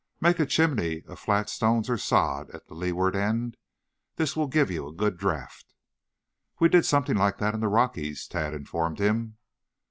Make a chimney of flat stones or sod at the leeward end. This will give you a good draft." "We did something like that in the Rockies," Tad informed him.